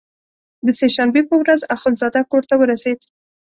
د سې شنبې په ورځ اخندزاده کورته ورسېد.